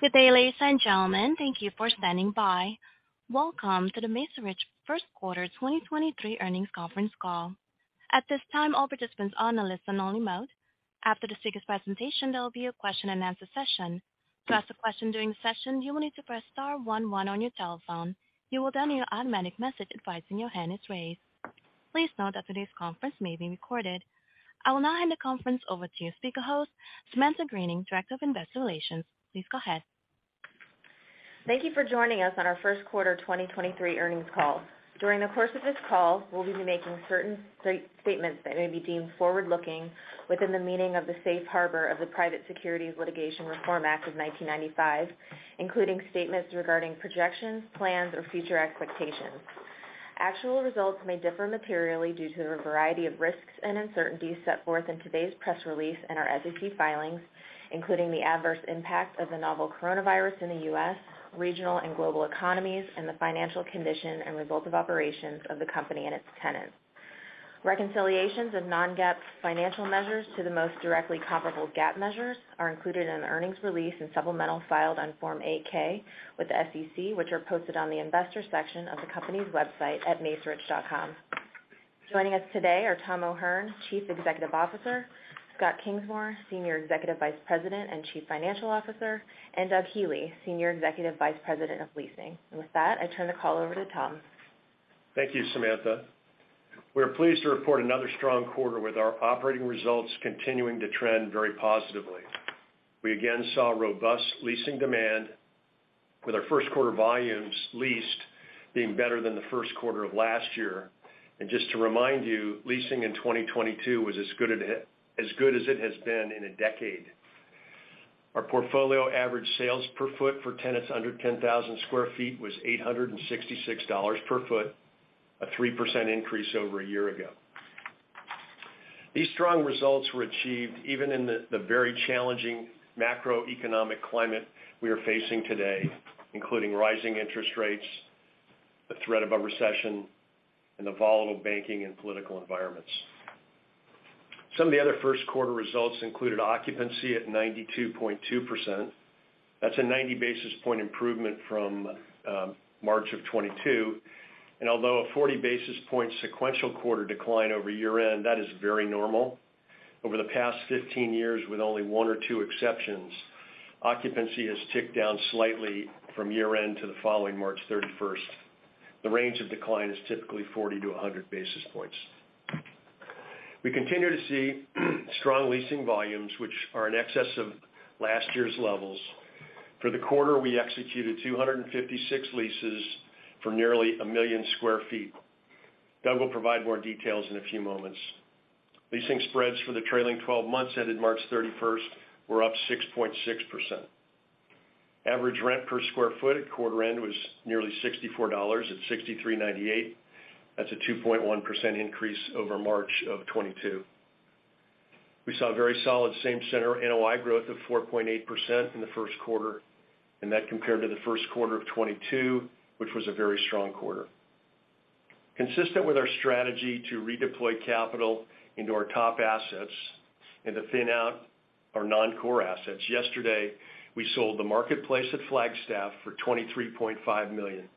Good day, ladies and gentlemen. Thank you for standing by. Welcome to the Macerich Q1 2023 Earnings Conference Call. At this time, all participants are on a listen only mode. After the speaker's presentation, there will be a question-and-answer session. To ask a question during the session, you will need to press star 11 on your telephone. You will then hear an automatic message advising your hand is raised. Please note that today's conference may be recorded. I will now hand the conference over to your speaker host, Samantha Greening, Director of Investor Relations. Please go ahead. Thank you for joining us on our Q1 2023 earnings call. During the course of this call, we'll be making certain statements that may be deemed forward-looking within the meaning of the safe harbor of the Private Securities Litigation Reform Act of 1995, including statements regarding projections, plans, or future expectations. Actual results may differ materially due to a variety of risks and uncertainties set forth in today's press release and our SEC filings, including the adverse impact of the novel coronavirus in the U.S., regional and global economies, and the financial condition and results of operations of the company and its tenants. Reconciliations of non-GAAP financial measures to the most directly comparable GAAP measures are included in the earnings release and supplemental filed on Form 8-K with the SEC, which are posted on the investors section of the company's website at macerich.com. Joining us today are Tom O'Hern, Chief Executive Officer, Scott Kingsmore, Senior Executive Vice President and Chief Financial Officer, and Doug Healey, Senior Executive Vice President of Leasing. With that, I turn the call over to Tom. Thank you, Samantha. We are pleased to report another strong quarter with our operating results continuing to trend very positively. We again saw robust leasing demand with our Q1 volumes leased being better than the Q1 of last year. Just to remind you, leasing in 2022 was as good as it has been in a decade. Our portfolio average sales per foot for tenants under 10,000 square feet was $866 per foot, a 3% increase over a year ago. These strong results were achieved even in the very challenging macroeconomic climate we are facing today, including rising interest rates, the threat of a recession, and the volatile banking and political environments. Some of the other Q1 results included occupancy at 92.2%. That's a 90 basis point improvement from March of 2022. Although a 40 basis point sequential quarter decline over year-end, that is very normal. Over the past 15 years, with only one or two exceptions, occupancy has ticked down slightly from year-end to the following March 31st. The range of decline is typically 40 to 100 basis points. We continue to see strong leasing volumes, which are in excess of last year's levels. For the quarter, we executed 256 leases for nearly 1 million sq ft. Doug will provide more details in a few moments. Leasing spreads for the trailing 12 months ended March 31st were up 6.6%. Average rent per square foot at quarter end was nearly $64 at $63.98. That's a 2.1% increase over March of 2022. We saw a very solid same center NOI growth of 4.8% in the Q1, that compared to the Q1 of 2022, which was a very strong quarter. Consistent with our strategy to redeploy capital into our top assets and to thin out our non-core assets, yesterday, we sold the Marketplace at Flagstaff for $23.5 million.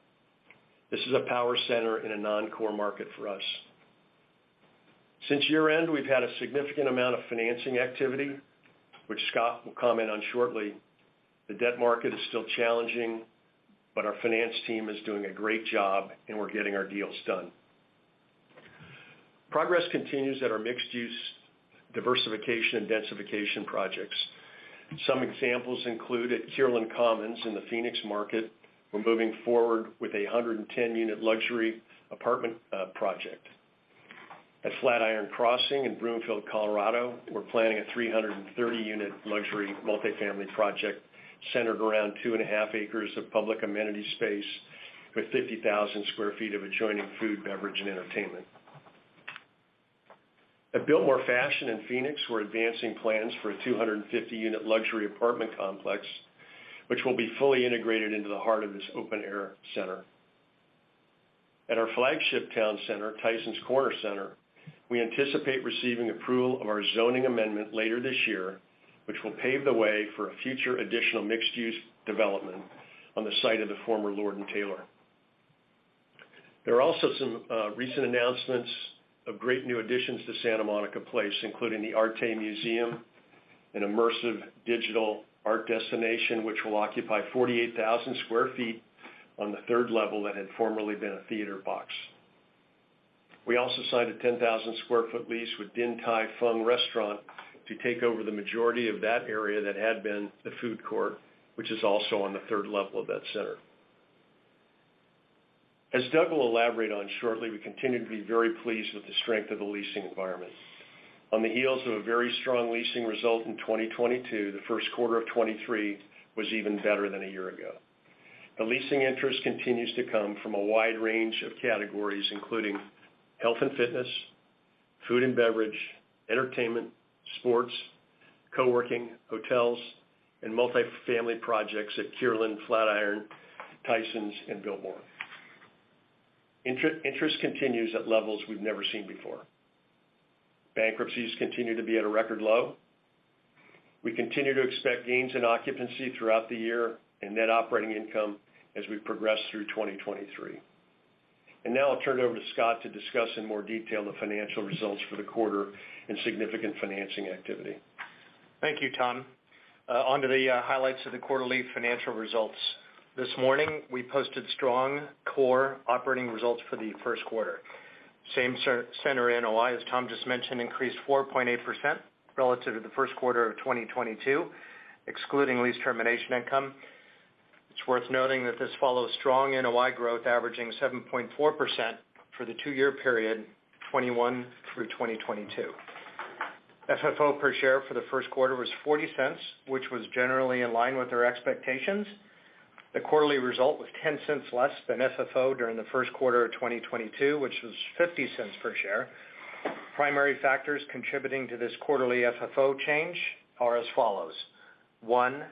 This is a power center in a non-core market for us. Since year-end, we've had a significant amount of financing activity, which Scott will comment on shortly. The debt market is still challenging, our finance team is doing a great job, we're getting our deals done. Progress continues at our mixed-use diversification and densification projects. Some examples include at Kierland Commons in the Phoenix market, we're moving forward with a 110-unit luxury apartment project. At Flatiron Crossing in Broomfield, Colorado, we're planning a 330 unit luxury multi-family project centered around 2.5 acres of public amenity space with 50,000 sq ft of adjoining food, beverage, and entertainment. At Biltmore Fashion in Phoenix, we're advancing plans for a 250 unit luxury apartment complex which will be fully integrated into the heart of this open air center. At our flagship town center, Tysons Corner Center, we anticipate receiving approval of our zoning amendment later this year, which will pave the way for a future additional mixed-use development on the site of the former Lord & Taylor. There are also some recent announcements of great new additions to Santa Monica Place, including the ARTE MUSEUM, an immersive digital art destination which will occupy 48,000 sq ft on the third level that had formerly been a theater box. We also signed a 10,000 sq ft lease with Din Tai Fung Restaurant to take over the majority of that area that had been the food court, which is also on the third level of that center. As Doug will elaborate on shortly, we continue to be very pleased with the strength of the leasing environment. On the heels of a very strong leasing result in 2022, the Q1 of 2023 was even better than a year ago. The leasing interest continues to come from a wide range of categories, including health and fitness, food and beverage, entertainment, sports, co-working, hotels, and multi-family projects at Kierland, Flatiron, Tysons, and Biltmore. Interest continues at levels we've never seen before. Bankruptcies continue to be at a record low. We continue to expect gains in occupancy throughout the year and net operating income as we progress through 2023. Now I'll turn it over to Scott to discuss in more detail the financial results for the quarter and significant financing activity. Thank you, Tom. Onto the highlights of the quarterly financial results. This morning, we posted strong core operating results for the Q1. Same center NOI, as Tom just mentioned, increased 4.8% relative to the Q1 of 2022, excluding lease termination income. It's worth noting that this follows strong NOI growth averaging 7.4% for the two-year period, 2021-2022. FFO per share for the Q1 was $0.40, which was generally in line with our expectations. The quarterly result was $0.10 less than FFO during the Q1 of 2022, which was $0.50 per share. Primary factors contributing to this quarterly FFO change are as follows. One,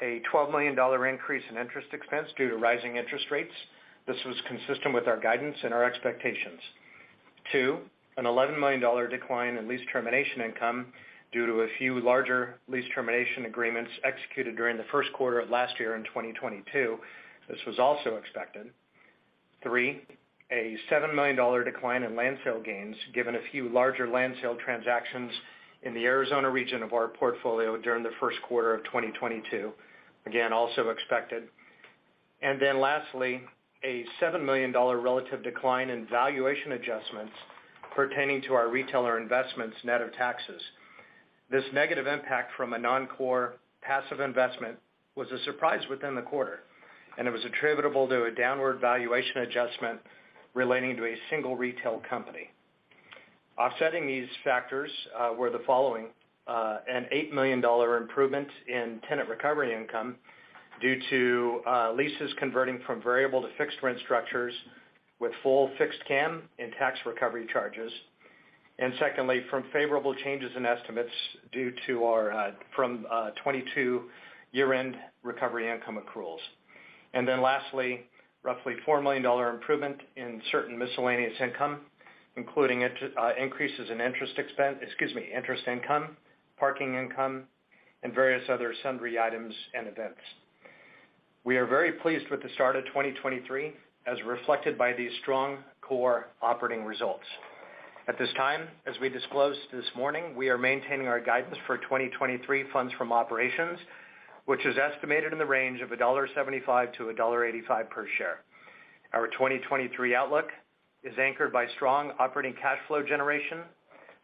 a $12 million increase in interest expense due to rising interest rates. This was consistent with our guidance and our expectations. Two, an $11 million decline in lease termination income due to a few larger lease termination agreements executed during the Q1 of last year in 2022. This was also expected. Three, a $7 million decline in land sale gains, given a few larger land sale transactions in the Arizona region of our portfolio during the Q1 of 2022. Again, also expected. Lastly, a $7 million relative decline in valuation adjustments pertaining to our retailer investments net of taxes. This negative impact from a non-core passive investment was a surprise within the quarter, and it was attributable to a downward valuation adjustment relating to a single retail company. Offsetting these factors, were the following, an $8 million improvement in tenant recovery income due to leases converting from variable to fixed rent structures with full fixed CAM and tax recovery charges. Secondly, from favorable changes in estimates from 2022 year-end recovery income accruals. Lastly, roughly $4 million improvement in certain miscellaneous income, including increases in interest expense, excuse me, interest income, parking income, and various other sundry items and events. We are very pleased with the start of 2023, as reflected by these strong core operating results. At this time, as we disclosed this morning, we are maintaining our guidance for 2023 funds from operations, which is estimated in the range of $1.75 to $1.85 per share. Our 2023 outlook is anchored by strong operating cash flow generation,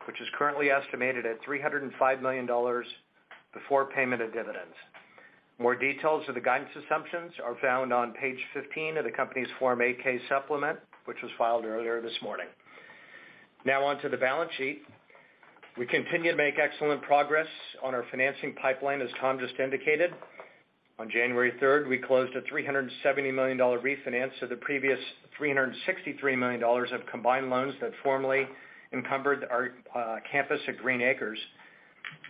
which is currently estimated at $305 million before payment of dividends. More details of the guidance assumptions are found on page 15 of the company's Form 8-K supplement, which was filed earlier this morning. On to the balance sheet. We continue to make excellent progress on our financing pipeline, as Tom just indicated. On January 3rd, we closed a $370 million refinance of the previous $363 million of combined loans that formerly encumbered our campus at Green Acres.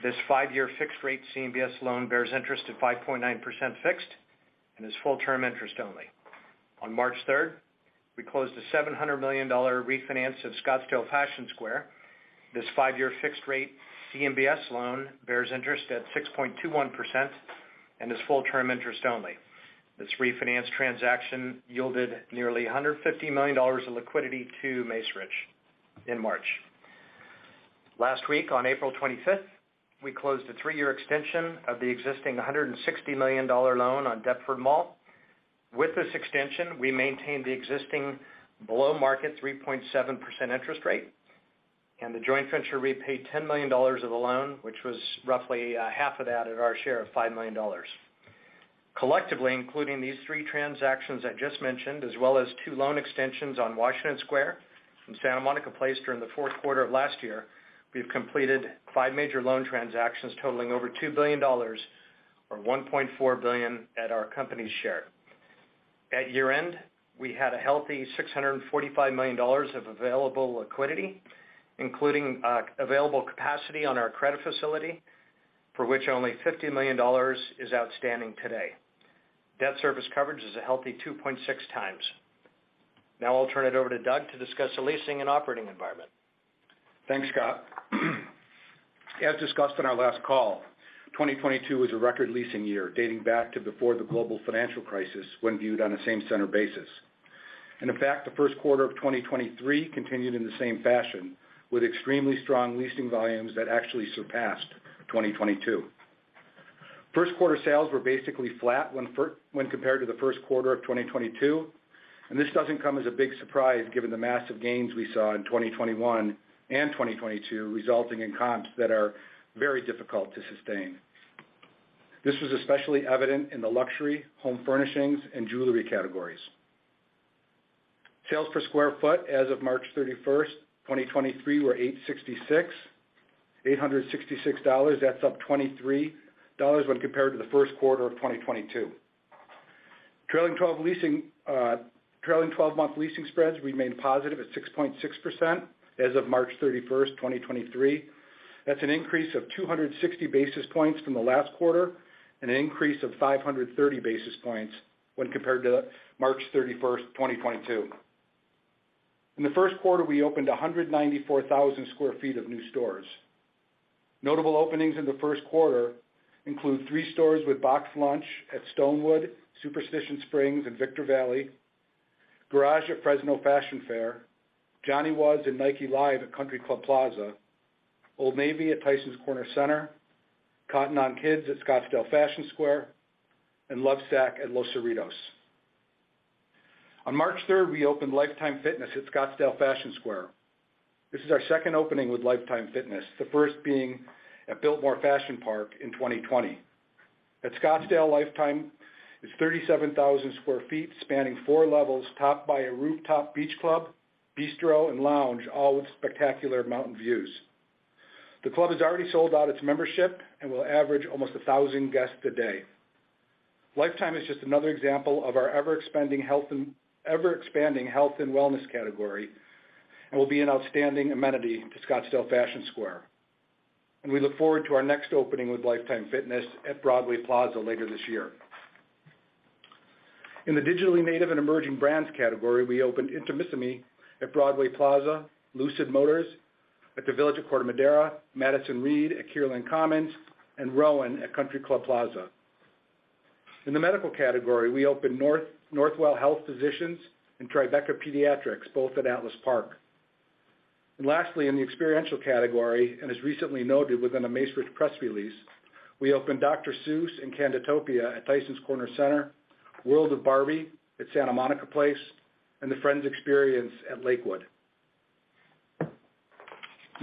This five-year fixed rate CMBS loan bears interest at 5.9% fixed and is full term interest only. On March 3rd, we closed a $700 million refinance of Scottsdale Fashion Square. This five-year fixed rate CMBS loan bears interest at 6.21% and is full term interest only. This refinance transaction yielded nearly $150 million of liquidity to Macerich in March. Last week, on April 25th, we closed a three-year extension of the existing $160 million loan on Deptford Mall. With this extension, we maintained the existing below-market 3.7% interest rate, and the joint venture repaid $10 million of the loan, which was roughly half of that at our share of $5 million. Collectively, including these three transactions I just mentioned, as well as two loan extensions on Washington Square from Santa Monica Place during the Q4 of last year, we've completed five major loan transactions totaling over $2 billion or $1.4 billion at our company's share. At year-end, we had a healthy $645 million of available liquidity, including available capacity on our credit facility, for which only $50 million is outstanding today. Debt service coverage is a healthy 2.6 times. I'll turn it over to Doug to discuss the leasing and operating environment. Thanks, Scott. As discussed on our last call, 2022 was a record leasing year dating back to before the global financial crisis when viewed on a same center basis. In fact, the Q1 of 2023 continued in the same fashion, with extremely strong leasing volumes that actually surpassed 2022. Q1 sales were basically flat when compared to the Q1 of 2022. This doesn't come as a big surprise given the massive gains we saw in 2021 and 2022, resulting in comps that are very difficult to sustain. This was especially evident in the luxury, home furnishings, and jewelry categories. Sales per square foot as of March 31, 2023 were 866, $866. That's up $23 when compared to the Q1 of 2022. Trailing twelve leasing, trailing twelve-month leasing spreads remained positive at 6.6% as of March 31, 2023. That's an increase of 260 basis points from the last quarter, and an increase of 530 basis points when compared to March 31, 2022. In the Q1, we opened 194,000 sq ft of new stores. Notable openings in the Q1 include three stores with BoxLunch at Stonewood, Superstition Springs, and Victor Valley, Garage at Fresno Fashion Fair, Johnny Was and Nike Live at Country Club Plaza, Old Navy at Tysons Corner Center, Cotton On Kids at Scottsdale Fashion Square, and Lovesac at Los Cerritos. On March 3, we opened Life Time at Scottsdale Fashion Square. This is our second opening with Life Time, the first being at Biltmore Fashion Park in 2020. At Scottsdale, Life Time is 37,000 sq ft, spanning four levels, topped by a rooftop beach club, bistro, and lounge, all with spectacular mountain views. The club has already sold out its membership and will average almost 1,000 guests a day. Life Time is just another example of our ever-expanding health and wellness category, and will be an outstanding amenity to Scottsdale Fashion Square. We look forward to our next opening with Life Time Fitness at Broadway Plaza later this year. In the digitally native and emerging brands category, we opened Intimissimi at Broadway Plaza, Lucid Motors at the Village of Corte Madera, Madison Reed at Kierland Commons, and Rowan at Country Club Plaza. In the medical category, we opened Northwell Health Physicians and Tribeca Pediatrics, both at Atlas Park. Lastly, in the experiential category, and as recently noted within the Macerich press release, we opened Dr. Seuss and Candytopia at Tysons Corner Center, World of Barbie at Santa Monica Place, and The FRIENDS Experience at Lakewood.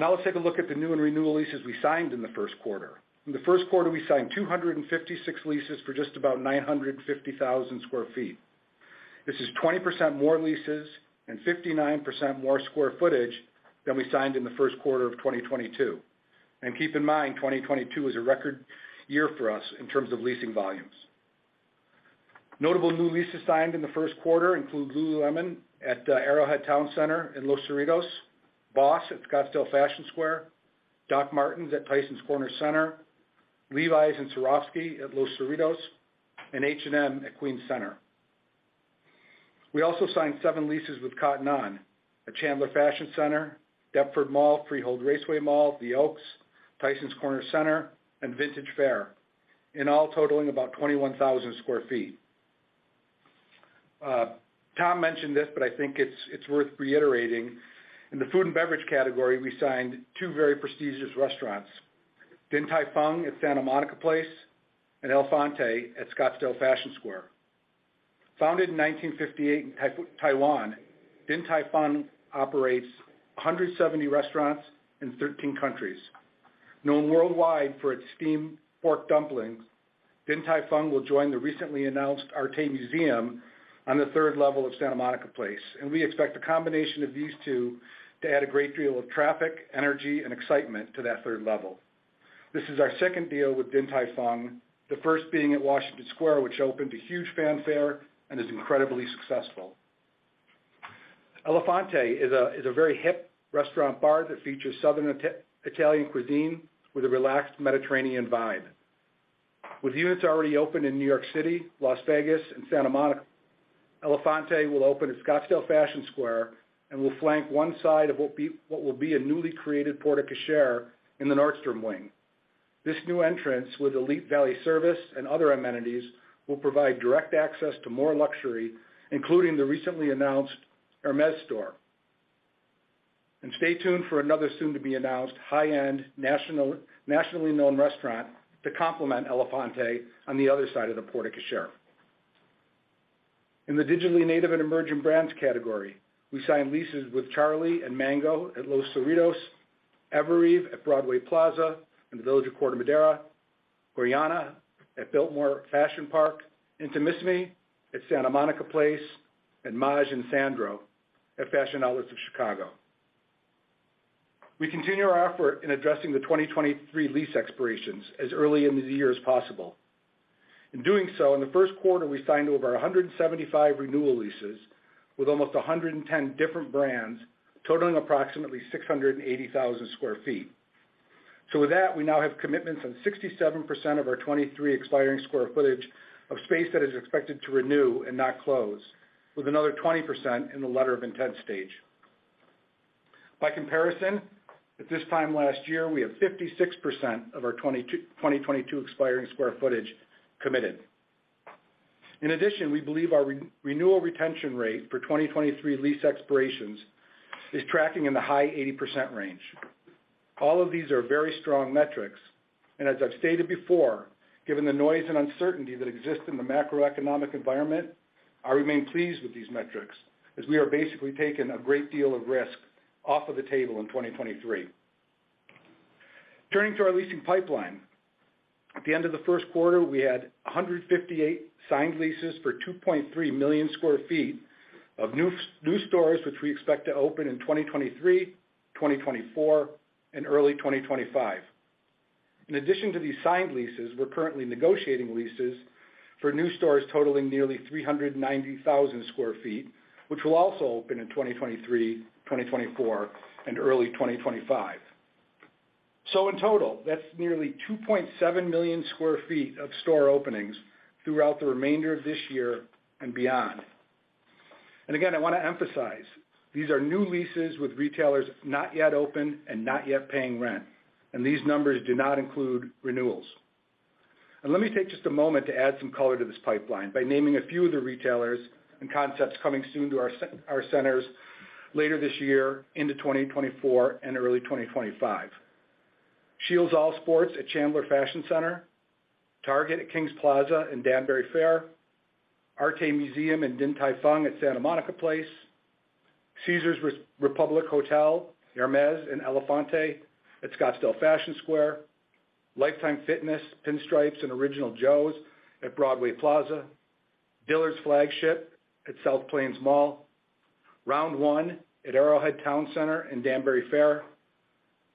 Let's take a look at the new and renewal leases we signed in the Q1. In the Q1, we signed 256 leases for just about 950,000 square feet. This is 20% more leases and 59% more square footage than we signed in the Q1 of 2022. Keep in mind, 2022 was a record year for us in terms of leasing volumes. Notable new leases signed in the Q1 include Lululemon at the Arrowhead Town Center in Los Cerritos, BOSS at Scottsdale Fashion Square, Dr. Martens at Tysons Corner Center, Levi's and Swarovski at Los Cerritos, and H&M at Queens Center. We also signed seven leases with Cotton On at Chandler Fashion Center, Deptford Mall, Freehold Raceway Mall, The Oaks, Tysons Corner Center, and Vintage Fair, in all totaling about 21,000 sq ft. Tom mentioned this, but I think it's worth reiterating. In the food and beverage category, we signed two very prestigious restaurants, Din Tai Fung at Santa Monica Place and Élephante at Scottsdale Fashion Square. Founded in 1958 in Taiwan, Din Tai Fung operates 170 restaurants in 13 countries. Known worldwide for its steamed pork dumplings, Din Tai Fung will join the recently announced ARTE MUSEUM on the third level of Santa Monica Place. We expect the combination of these two to add a great deal of traffic, energy, and excitement to that third level. This is our second deal with Din Tai Fung, the first being at Washington Square, which opened a huge fanfare and is incredibly successful. Élephante is a very hip restaurant bar that features Southern Italian cuisine with a relaxed Mediterranean vibe. With units already open in New York City, Las Vegas, and Santa Monica, Élephante will open at Scottsdale Fashion Square and will flank one side of what will be a newly created porte cochere in the Nordstrom wing. This new entrance with elite valet service and other amenities will provide direct access to more luxury, including the recently announced Hermès store. Stay tuned for another soon-to-be-announced high-end nationally known restaurant to complement Élephante on the other side of the porte cochere. In the digitally native and emerging brands category, we signed leases with Charlie and Mango at Los Cerritos, Evereve at Broadway Plaza in the Village of Corte Madera, Gorjana at Biltmore Fashion Park, Intimissimi at Santa Monica Place, and Maje and Sandro at Fashion Outlets of Chicago. We continue our effort in addressing the 2023 lease expirations as early in the year as possible. In doing so, in the Q1, we signed over 175 renewal leases with almost 110 different brands, totaling approximately 680,000 sq ft. With that, we now have commitments on 67% of our 2023 expiring square footage of space that is expected to renew and not close, with another 20% in the letter of intent stage. By comparison, at this time last year, we had 56% of our 2022 expiring square footage committed. We believe our re-renewal retention rate for 2023 lease expirations is tracking in the high 80% range. All of these are very strong metrics, and as I've stated before, given the noise and uncertainty that exists in the macroeconomic environment, I remain pleased with these metrics as we are basically taking a great deal of risk off of the table in 2023. Turning to our leasing pipeline. At the end of the Q1, we had 158 signed leases for 2.3 million sq ft of new stores, which we expect to open in 2023, 2024, and early 2025. In addition to these signed leases, we're currently negotiating leases for new stores totaling nearly 390,000 sq ft, which will also open in 2023, 2024, and early 2025. In total, that's nearly 2.7 million sq ft of store openings throughout the remainder of this year and beyond. Again, I wanna emphasize, these are new leases with retailers not yet open and not yet paying rent, and these numbers do not include renewals. let me take just a moment to add some color to this pipeline by naming a few of the retailers and concepts coming soon to our centers later this year into 2024 and early 2025. SCHEELS All Sports at Chandler Fashion Center, Target at Kings Plaza and Danbury Fair, ARTE MUSEUM and Din Tai Fung at Santa Monica Place, Caesars Republic Hotel, Hermès, and Élephante at Scottsdale Fashion Square, Life Time, Pinstripes, and Original Joe's at Broadway Plaza, Dillard's flagship at South Plains Mall, Round1 at Arrowhead Town Center and Danbury Fair,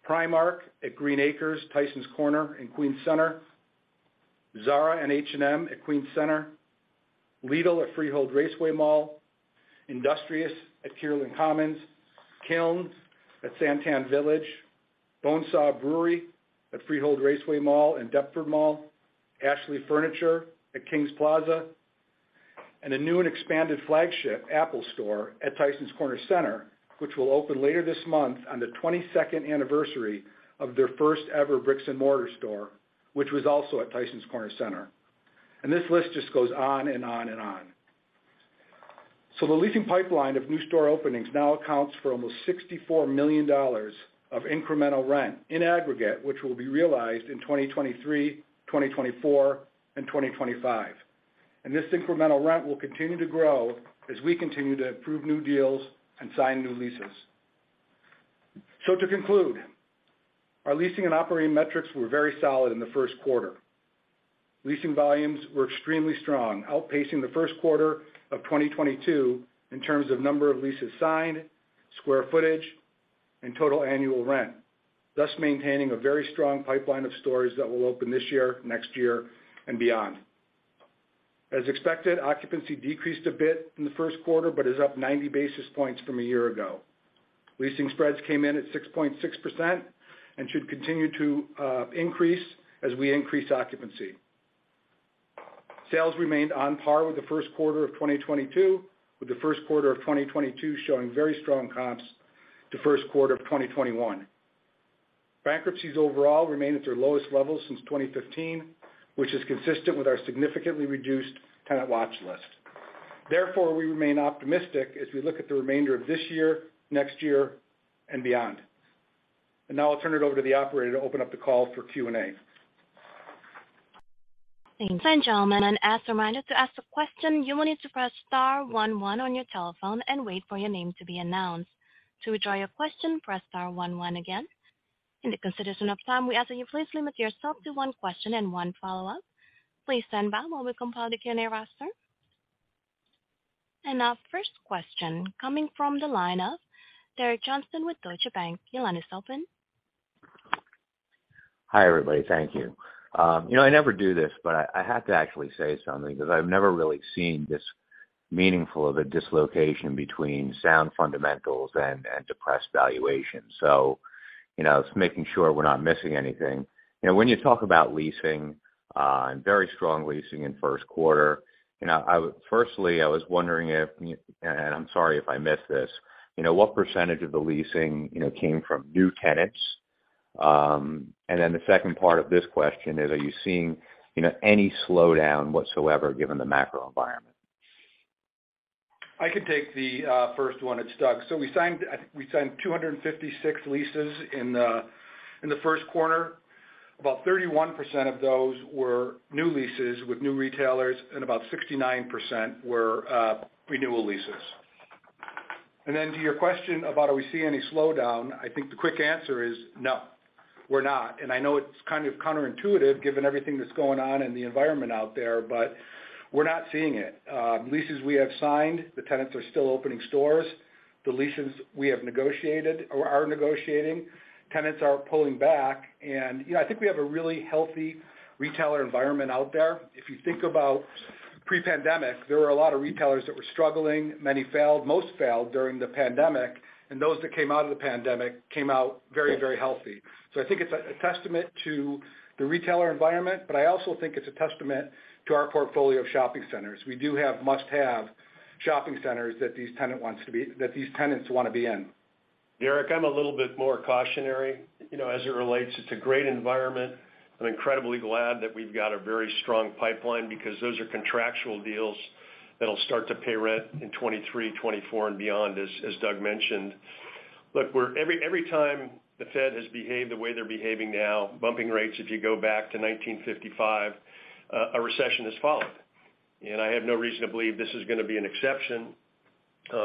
Primark at Green Acres, Tysons Corner and Queens Center, Zara and H&M at Queens Center, Lidl at Freehold Raceway Mall, Industrious at Kierland Commons, Kilns at SanTan Village, Bonesaw Brewery at Freehold Raceway Mall and Deptford Mall, Ashley Furniture at Kings Plaza, and a new and expanded flagship Apple store at Tysons Corner Center, which will open later this month on the 22nd anniversary of their first-ever bricks and mortar store, which was also at Tysons Corner Center. This list just goes on and on and on. The leasing pipeline of new store openings now accounts for almost $64 million of incremental rent in aggregate, which will be realized in 2023, 2024, and 2025. This incremental rent will continue to grow as we continue to approve new deals and sign new leases. To conclude, our leasing and operating metrics were very solid in the Q1. Leasing volumes were extremely strong, outpacing the Q1 of 2022 in terms of number of leases signed, square footage, and total annual rent, thus maintaining a very strong pipeline of stores that will open this year, next year, and beyond. As expected, occupancy decreased a bit in the Q1, but is up 90 basis points from a year ago. Leasing spreads came in at 6.6% and should continue to increase as we increase occupancy. Sales remained on par with the Q1 of 2022, with the Q1 of 2022 showing very strong comps to Q1 of 2021. Bankruptcies overall remain at their lowest level since 2015, which is consistent with our significantly reduced tenant watch list. We remain optimistic as we look at the remainder of this year, next year, and beyond. Now I'll turn it over to the operator to open up the call for Q&A. Thanks. Ladies and gentlemen, as reminded, to ask a question, you will need to press star 11 on your telephone and wait for your name to be announced. To withdraw your question, press star 11 again. In the consideration of time, we ask that you please limit yourself to one question and one follow-up. Please stand by while we compile the Q&A roster. Our first question coming from the line of Derek Johnston with Deutsche Bank. Your line is open. Hi, everybody. Thank you. You know, I never do this, but I have to actually say something because I've never really seen this meaningful of a dislocation between sound fundamentals and depressed valuation. You know, just making sure we're not missing anything. You know, when you talk about leasing, and very strong leasing in Q1, you know, firstly, I was wondering if, and I'm sorry if I missed this, you know, what % of the leasing, you know, came from new tenants? The second part of this question is, are you seeing, you know, any slowdown whatsoever given the macro environment? I can take the first one. It's Doug Healey. We signed, I think we signed 256 leases in the Q1. About 31% of those were new leases with new retailers, and about 69% were renewal leases. To your question about are we seeing any slowdown, I think the quick answer is no, we're not. I know it's kind of counterintuitive given everything that's going on in the environment out there, but we're not seeing it. Leases we have signed, the tenants are still opening stores. The leases we have negotiated or are negotiating, tenants are pulling back. You know, I think we have a really healthy retailer environment out there. If you think about pre-pandemic, there were a lot of retailers that were struggling. Many failed. Most failed during the pandemic, and those that came out of the pandemic came out very healthy. I think it's a testament to the retailer environment, but I also think it's a testament to our portfolio of shopping centers. We do have must-have shopping centers that these tenants wanna be in. Derek, I'm a little bit more cautionary. You know, as it relates, it's a great environment. I'm incredibly glad that we've got a very strong pipeline because those are contractual deals that'll start to pay rent in 23, 24, and beyond, as Doug mentioned. Look, we're every time the Fed has behaved the way they're behaving now, bumping rates if you go back to 1955, a recession has followed. I have no reason to believe this is gonna be an exception.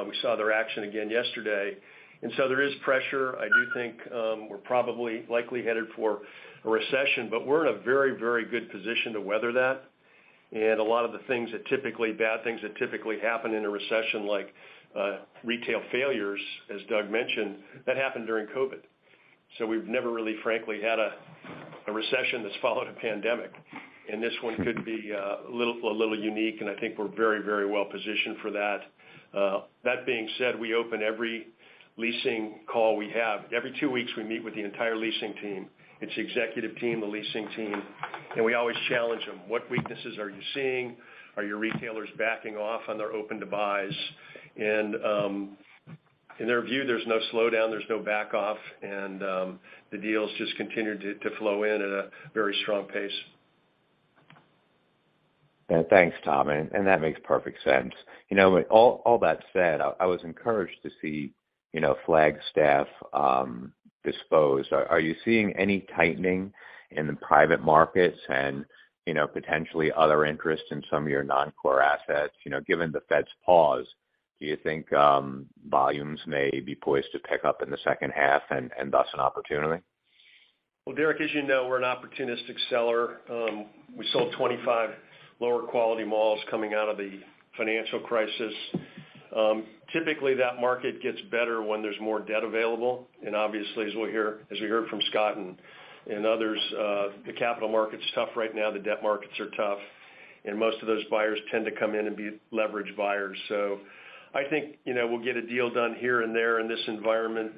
We saw their action again yesterday. There is pressure. I do think we're probably likely headed for a recession, but we're in a very, very good position to weather that. And a lot of the things that typically bad things that typically happen in a recession like retail failures, as Doug mentioned, that happened during COVID. We've never really, frankly, had a recession that's followed a pandemic. This one could be a little unique, and I think we're very, very well positioned for that. That being said, we open every leasing call we have. Every two weeks, we meet with the entire leasing team, it's the executive team, the leasing team, and we always challenge them, "What weaknesses are you seeing? Are your retailers backing off on their open-to-buys?" In their view, there's no slowdown, there's no back off, and the deals just continue to flow in at a very strong pace. Yeah. Thanks, Tom. That makes perfect sense. You know, all that said, I was encouraged to see, you know, Flagstaff disposed. Are you seeing any tightening in the private markets and, you know, potentially other interests in some of your non-core assets? You know, given the Fed's pause, do you think volumes may be poised to pick up in the second half and thus an opportunity? Well, Derek, as you know, we're an opportunistic seller. We sold 25 lower quality malls coming out of the financial crisis. Typically, that market gets better when there's more debt available. Obviously, as we heard from Scott and others, the capital market's tough right now, the debt markets are tough, and most of those buyers tend to come in and be leveraged buyers. I think, you know, we'll get a deal done here and there in this environment.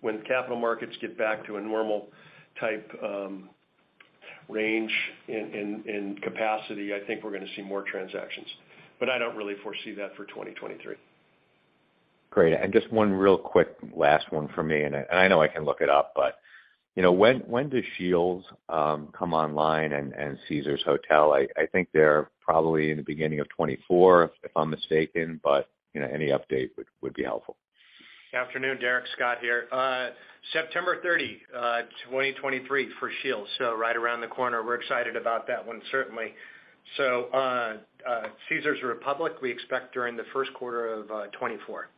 When capital markets get back to a normal type, range in capacity, I think we're gonna see more transactions. I don't really foresee that for 2023. Great. Just one real quick last one from me, and I know I can look it up, but, you know, when does SCHEELS come online and Caesars Hotel? I think they're probably in the beginning of 2024, if I'm mistaken, but, you know, any update would be helpful. Afternoon, Derek. Scott here. September 30, 2023 for SCHEELS, right around the corner. We're excited about that one, certainly. Caesars Republic, we expect during the Q1 of 2024.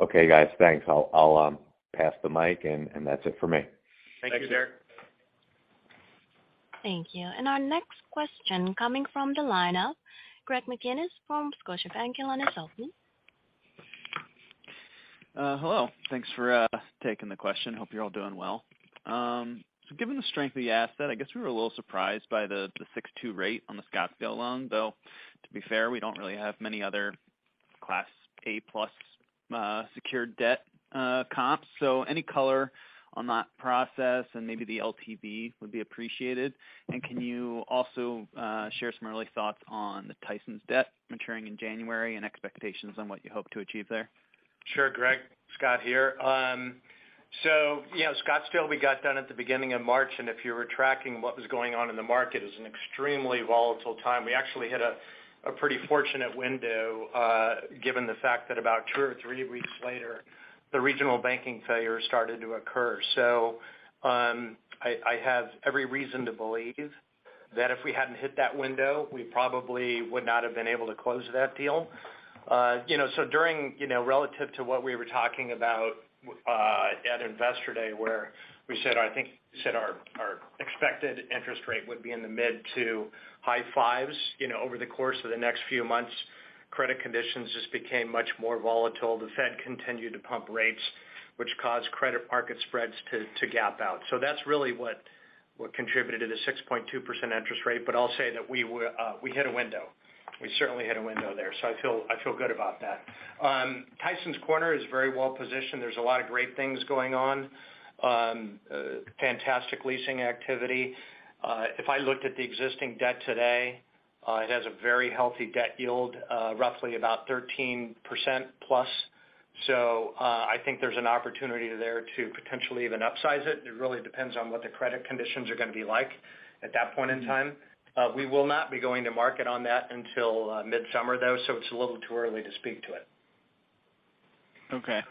Okay, guys. Thanks. I'll pass the mic. That's it for me. Thank you, Derek. Thanks. Thank you. Our next question coming from the line of Greg McGinniss from Scotiabank. Your line is open. Hello. Thanks for taking the question. Hope you're all doing well. Given the strength of the asset, I guess we were a little surprised by the 6.2% rate on the Scottsdale loan. Though, to be fair, we don't really have many other Class A plus secured debt comps. Any color on that process and maybe the LTV would be appreciated. Can you also share some early thoughts on the Tysons debt maturing in January and expectations on what you hope to achieve there? Sure, Greg. Scott here. you know, Scottsdale, we got done at the beginning of March. If you were tracking what was going on in the market, it was an extremely volatile time. We actually hit a pretty fortunate window, given the fact that about two or three weeks later, the regional banking failure started to occur. I have every reason to believe that if we hadn't hit that window, we probably would not have been able to close that deal. you know, during, you know, relative to what we were talking about at Investor Day, where we said, I think we said our expected interest rate would be in the mid to high five. You know, over the course of the next few months, credit conditions just became much more volatile. The Fed continued to pump rates, which caused credit market spreads to gap out. That's really what contributed to the 6.2% interest rate. I'll say that we hit a window. We certainly hit a window there. I feel good about that. Tysons Corner is very well positioned. There's a lot of great things going on. Fantastic leasing activity. If I looked at the existing debt today, it has a very healthy debt yield, roughly about 13%+. I think there's an opportunity there to potentially even upsize it. It really depends on what the credit conditions are gonna be like at that point in time. We will not be going to market on that until midsummer, though. It's a little too early to speak to it.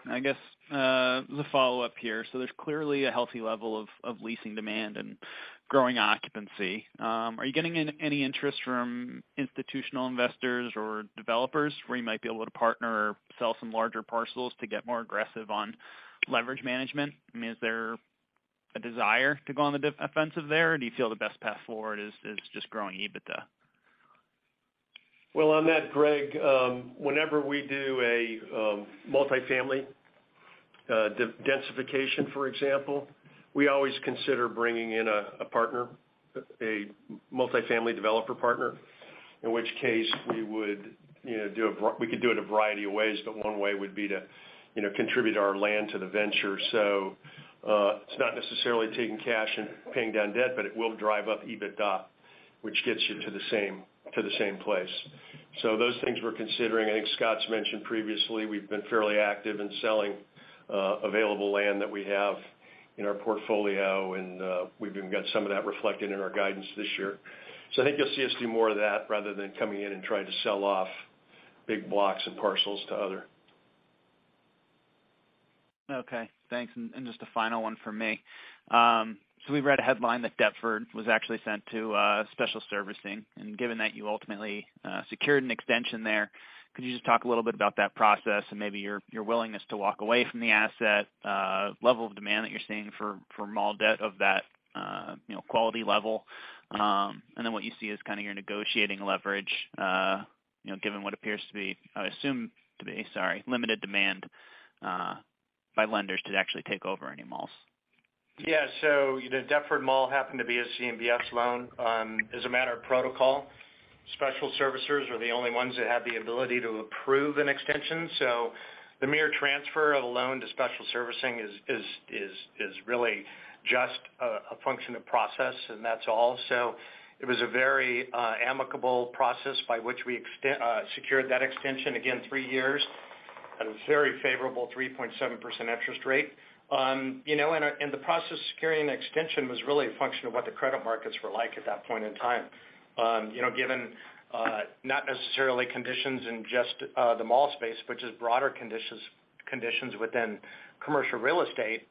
I guess, the follow-up here. There's clearly a healthy level of leasing demand and growing occupancy. Are you getting any interest from institutional investors or developers where you might be able to partner or sell some larger parcels to get more aggressive on leverage management? I mean, is there a desire to go on the offensive there, or do you feel the best path forward is just growing EBITDA? On that, Greg, whenever we do a multifamily de-densification, for example, we always consider bringing in a partner, a multifamily developer partner. In which case we would, you know, we could do it a variety of ways, but one way would be to, you know, contribute our land to the venture. It's not necessarily taking cash and paying down debt, but it will drive up EBITDA, which gets you to the same place. Those things we're considering. I think Scott's mentioned previously, we've been fairly active in selling available land that we have in our portfolio, and we've even got some of that reflected in our guidance this year. I think you'll see us do more of that rather than coming in and trying to sell off big blocks and parcels to other. Okay, thanks. Just a final one from me. We read a headline that Deptford was actually sent to special servicing. Given that you ultimately secured an extension there, could you just talk a little bit about that process and maybe your willingness to walk away from the asset, level of demand that you're seeing for mall debt of that, you know, quality level, and then what you see as kind of your negotiating leverage, you know, given what appears to be or assumed to be, sorry, limited demand by lenders to actually take over any malls. The Deptford Mall happened to be a CMBS loan. As a matter of protocol, special servicers are the only ones that have the ability to approve an extension. The mere transfer of a loan to special servicing is really just a function of process, and that's all. It was a very amicable process by which we secured that extension, again three years, at a very favorable 3.7% interest rate. You know, and the process of securing the extension was really a function of what the credit markets were like at that point in time. You know, given not necessarily conditions in just the mall space, but just broader conditions within commercial real estate,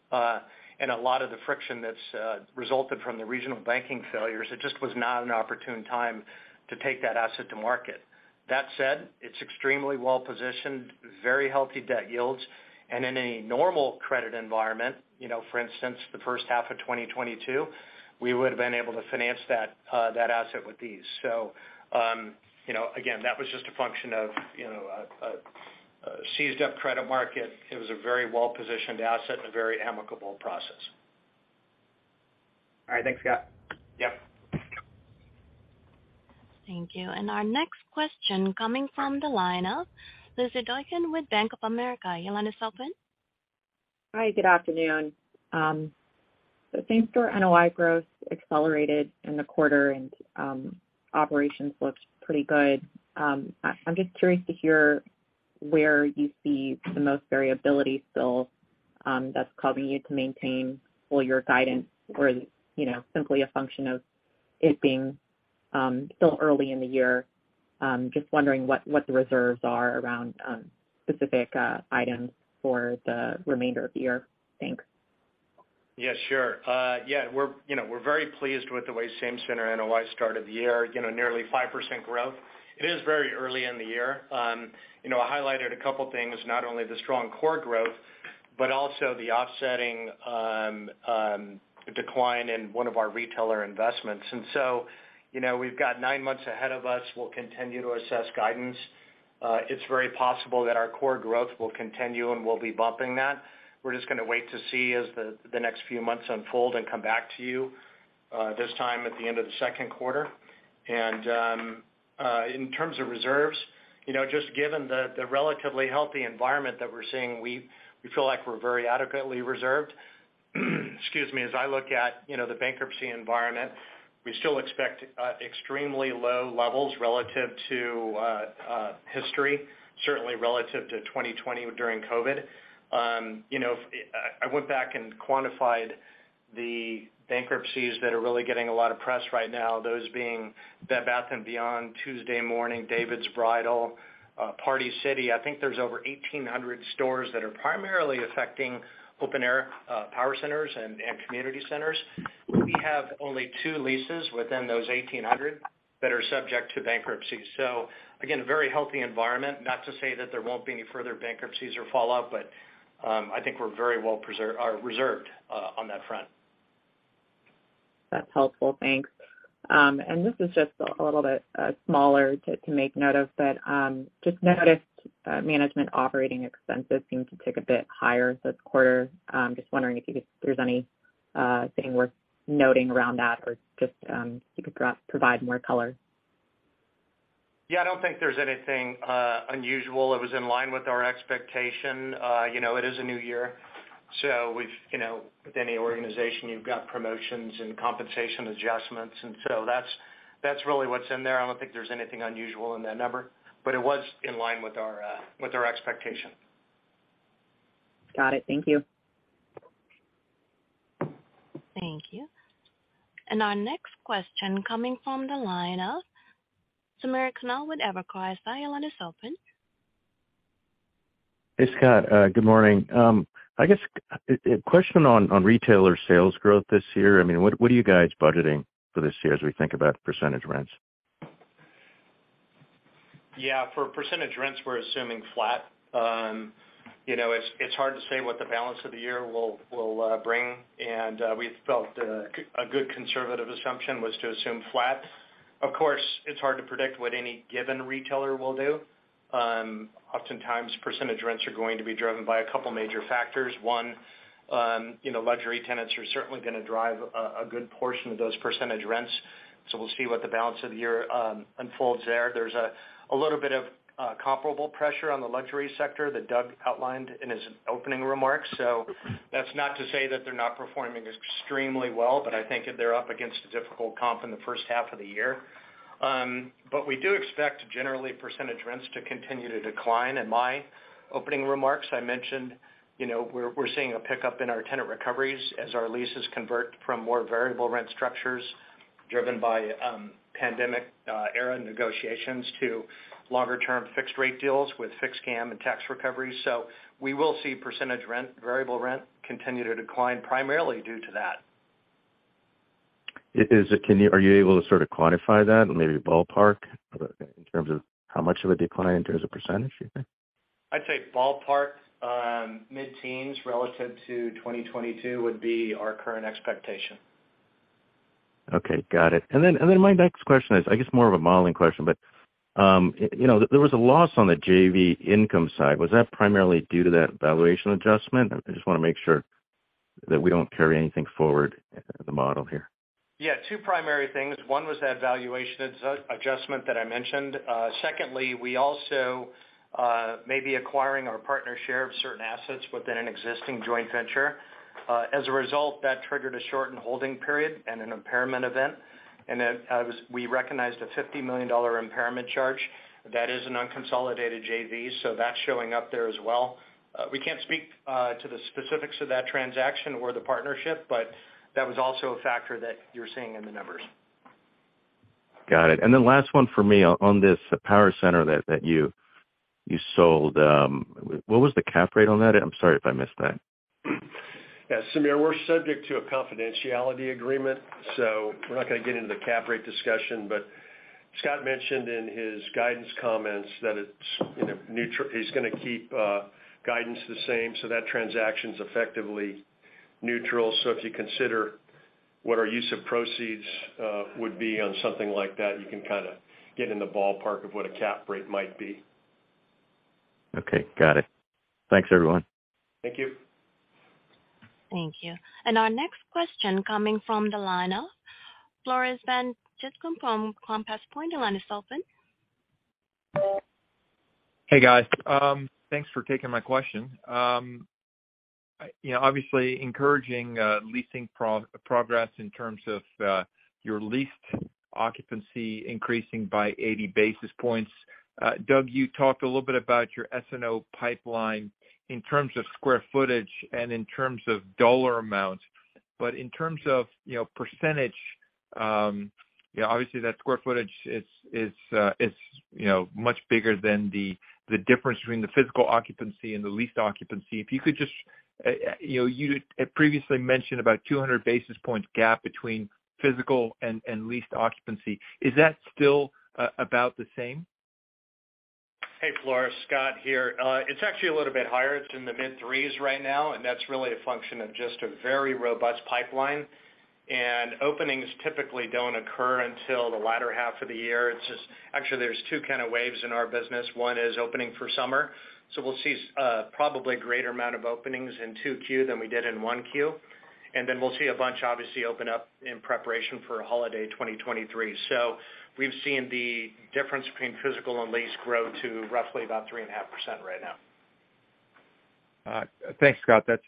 and a lot of the friction that's resulted from the regional banking failures, it just was not an opportune time to take that asset to market. That said, it's extremely well-positioned, very healthy debt yields, and in a normal credit environment, you know, for instance, the first half of 2022, we would've been able to finance that asset with these. You know, again, that was just a function of, you know, a seized-up credit market. It was a very well-positioned asset and a very amicable process. All right. Thanks, Scott. Yep. Thank you. Our next question coming from the line of Lizzy Doykan with Bank of America. Your line is open. Hi. Good afternoon. Same-store NOI growth accelerated in the quarter, and operations looked pretty good. I'm just curious to hear where you see the most variability still, that's causing you to maintain full year guidance or, you know, simply a function of it being still early in the year. Just wondering what the reserves are around specific items for the remainder of the year. Thanks. Yeah, sure. Yeah, we're, you know, we're very pleased with the way same-store NOI started the year, you know, nearly 5% growth. It is very early in the year. You know, I highlighted a couple things, not only the strong core growth, but also the offsetting decline in one of our retailer investments. You know, we've got 9 months ahead of us. We'll continue to assess guidance. It's very possible that our core growth will continue, and we'll be bumping that. We're just gonna wait to see as the next few months unfold and come back to you, this time at the end of the second quarter. In terms of reserves, you know, just given the relatively healthy environment that we're seeing, we feel like we're very adequately reserved. Excuse me. As I look at, you know, the bankruptcy environment, we still expect extremely low levels relative to history, certainly relative to 2020 during COVID. You know, I went back and quantified the bankruptcies that are really getting a lot of press right now, those being Bed Bath & Beyond, Tuesday Morning, David's Bridal, Party City. I think there's over 1,800 stores that are primarily affecting open air, power centers and community centers. We have only two leases within those 1,800 that are subject to bankruptcy. Again, a very healthy environment. Not to say that there won't be any further bankruptcies or fallout, I think we're very well reserved on that front. That's helpful. Thanks. This is just a little bit smaller to make note of, but just noticed management operating expenses seemed to tick a bit higher this quarter. Just wondering if you could there's anything worth noting around that or just if you could provide more color. I don't think there's anything unusual. It was in line with our expectation. You know, it is a new year, so we've, you know, with any organization, you've got promotions and compensation adjustments, that's really what's in there. I don't think there's anything unusual in that number, it was in line with our, with our expectation. Got it. Thank you. Thank you. Our next question coming from the line of Samir Khanal with Evercore. Sir, your line is open. Hey, Scott. good morning. I guess a question on retailer sales growth this year. I mean, what are you guys budgeting for this year as we think about percentage rents? For percentage rents, we're assuming flat. You know, it's hard to say what the balance of the year will bring, and we felt a good conservative assumption was to assume flat. Of course, it's hard to predict what any given retailer will do. Oftentimes percentage rents are going to be driven by a couple major factors. One, you know, luxury tenants are certainly gonna drive a good portion of those percentage rents, so we'll see what the balance of the year unfolds there. There's a little bit of comparable pressure on the luxury sector that Doug outlined in his opening remarks. That's not to say that they're not performing extremely well, but I think they're up against a difficult comp in the first half of the year. We do expect generally percentage rents to continue to decline. In my opening remarks, I mentioned, you know, we're seeing a pickup in our tenant recoveries as our leases convert from more variable rent structures driven by pandemic era negotiations to longer term fixed rate deals with fixed CAM and tax recoveries. We will see percentage rent, variable rent continue to decline primarily due to that. Are you able to sort of quantify that, maybe ballpark, in terms of how much of a decline in terms of percentage, you think? I'd say ballpark, mid-teens relative to 2022 would be our current expectation. Okay, got it. My next question is, I guess more of a modeling question, but, you know, there was a loss on the JV income side. Was that primarily due to that valuation adjustment? I just wanna make sure that we don't carry anything forward in the model here. Two primary things. One was that valuation adjustment that I mentioned. Secondly, we also may be acquiring our partner share of certain assets within an existing joint venture. As a result, that triggered a shortened holding period and an impairment event. As we recognized a $50 million impairment charge, that is an unconsolidated JV, so that's showing up there as well. We can't speak to the specifics of that transaction or the partnership, but that was also a factor that you're seeing in the numbers. Got it. Last one for me. On this power center that you sold, what was the cap rate on that? I'm sorry if I missed that. Sameer, we're subject to a confidentiality agreement, so we're not gonna get into the cap rate discussion. Scott mentioned in his guidance comments that it's, you know, he's gonna keep guidance the same, so that transaction's effectively neutral. If you consider what our use of proceeds would be on something like that, you can kind of get in the ballpark of what a cap rate might be. Okay, got it. Thanks, everyone. Thank you. Thank you. Our next question coming from the line of Floris van Dijkum from Compass Point. The line is open. Hey, guys. Thanks for taking my question. You know, obviously encouraging leasing progress in terms of your leased occupancy increasing by 80 basis points. Doug, you talked a little bit about your S&O pipeline in terms of square footage and in terms of dollar amounts, but in terms of, you know, percentage, you know, obviously that square footage is, you know, much bigger than the difference between the physical occupancy and the leased occupancy. If you could just, you know, you had previously mentioned about 200 basis points gap between physical and leased occupancy. Is that still about the same? Hey, Floris, Scott here. It's actually a little bit higher. It's in the mid three right now, and that's really a function of just a very robust pipeline. Openings typically don't occur until the latter half of the year. Actually, there's two kind of waves in our business. One is opening for summer, so we'll see probably greater amount of openings in 2Q than we did in 1Q. We'll see a bunch obviously open up in preparation for holiday 2023. We've seen the difference between physical and lease grow to roughly about 3.5% right now. Thanks, Scott. That's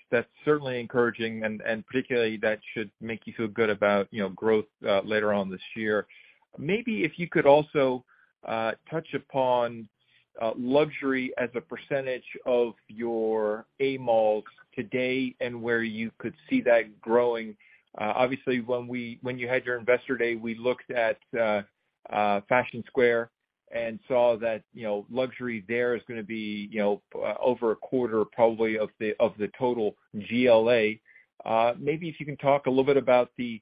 certainly encouraging, and particularly that should make you feel good about, you know, growth later on this year. Maybe if you could also touch upon luxury as a percentage of your ABR today and where you could see that growing. Obviously, when you had your Investor Day, we looked at Fashion Square and saw that, you know, luxury there is gonna be, you know, over a quarter probably of the total GLA. Maybe if you can talk a little bit about the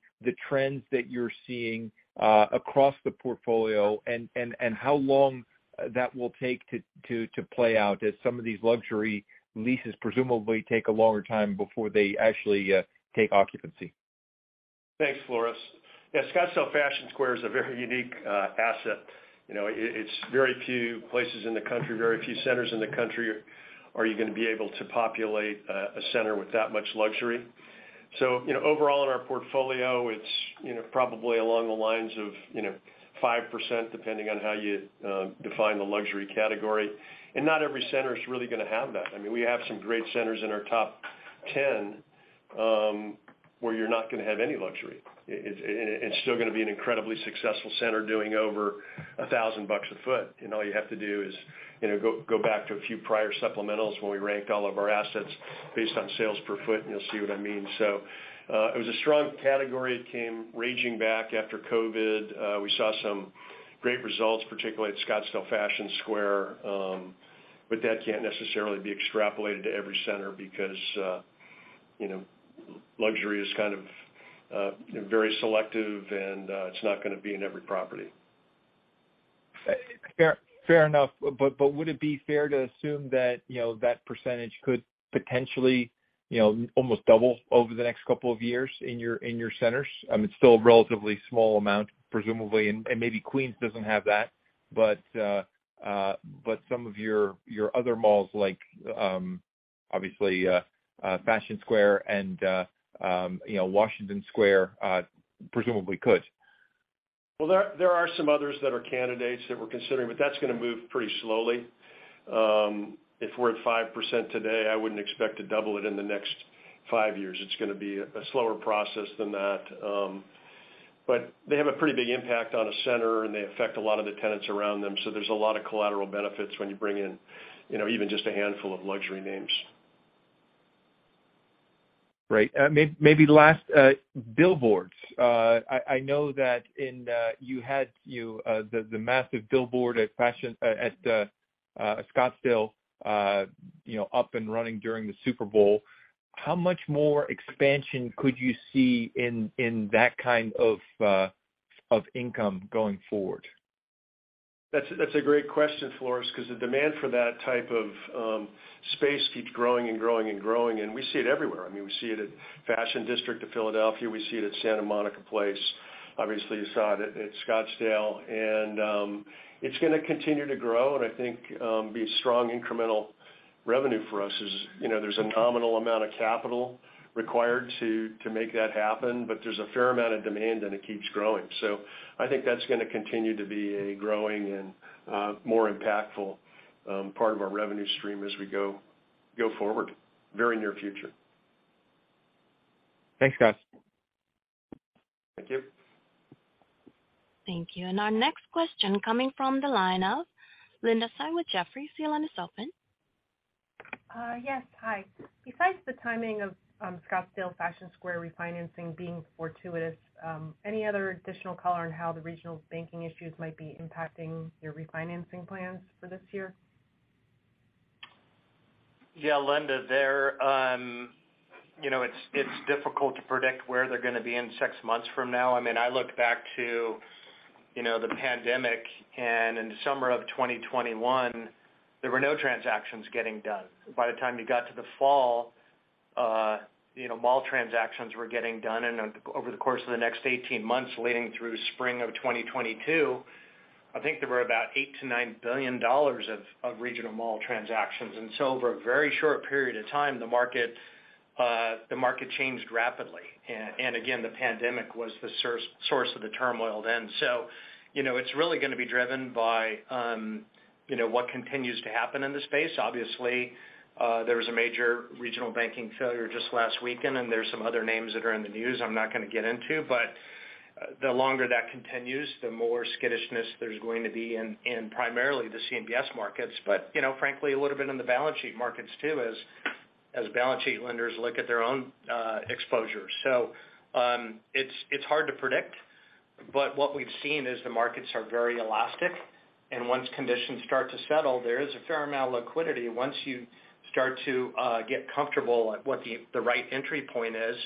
trends that you're seeing across the portfolio and how long that will take to play out as some of these luxury leases presumably take a longer time before they actually take occupancy. Thanks, Floris. Yeah, Scottsdale Fashion Square is a very unique asset. You know, it's very few places in the country, very few centers in the country are you gonna be able to populate a center with that much luxury. Overall in our portfolio, it's, you know, probably along the lines of, you know, 5%, depending on how you define the luxury category. Not every center is really gonna have that. I mean, we have some great centers in our top 10, where you're not gonna have any luxury. It's still gonna be an incredibly successful center doing over $1,000 a sq ft. All you have to do is, you know, go back to a few prior supplementals when we ranked all of our assets based on sales per foot, and you'll see what I mean. It was a strong category. It came raging back after COVID. We saw some great results, particularly at Scottsdale Fashion Square, but that can't necessarily be extrapolated to every center because, you know, luxury is kind of very selective, and it's not gonna be in every property. Fair, fair enough. Would it be fair to assume that, you know, that percentage could potentially, you know, almost double over the next couple of years in your centers? I mean, it's still a relatively small amount, presumably, and maybe Queens doesn't have that. Some of your other malls like, obviously, Fashion Square and, you know, Washington Square, presumably could. There are some others that are candidates that we're considering. That's gonna move pretty slowly. If we're at 5% today, I wouldn't expect to double it in the next five years. It's gonna be a slower process than that. They have a pretty big impact on a center, and they affect a lot of the tenants around them, so there's a lot of collateral benefits when you bring in, you know, even just a handful of luxury names. Right. maybe last billboards. I know that in you had the massive billboard at Fashion at Scottsdale, you know, up and running during the Super Bowl. How much more expansion could you see in that kind of income going forward. That's a great question, Floris, because the demand for that type of space keeps growing and growing and growing, and we see it everywhere. I mean, we see it at Fashion District of Philadelphia. We see it at Santa Monica Place. Obviously, you saw it at Scottsdale. It's gonna continue to grow, and I think be strong incremental revenue for us as, you know, there's a nominal amount of capital required to make that happen, but there's a fair amount of demand, and it keeps growing. I think that's gonna continue to be a growing and more impactful part of our revenue stream as we go forward, very near future. Thanks, guys. Thank you. Thank you. Our next question coming from the line of Linda Tsai with Jefferies. Your line is open. Yes. Hi. Besides the timing of Scottsdale Fashion Square refinancing being fortuitous, any other additional color on how the regional banking issues might be impacting your refinancing plans for this year? Yeah, Linda, there, you know, it's difficult to predict where they're gonna be in six months from now. I mean, I look back to, you know, the pandemic, in the summer of 2021, there were no transactions getting done. By the time you got to the fall, you know, mall transactions were getting done. Over the course of the next 18 months leading through spring of 2022, I think there were about $8 billion-$9 billion of regional mall transactions. Over a very short period of time, the market changed rapidly. And again, the pandemic was the source of the turmoil then. You know, it's really gonna be driven by, you know, what continues to happen in the space. Obviously, there was a major regional banking failure just last weekend. There's some other names that are in the news I'm not gonna get into. The longer that continues, the more skittishness there's going to be in primarily the CMBS markets, but, you know, frankly, a little bit in the balance sheet markets too as balance sheet lenders look at their own exposure. It's hard to predict, but what we've seen is the markets are very elastic. Once conditions start to settle, there is a fair amount of liquidity. Once you start to get comfortable at what the right entry point is,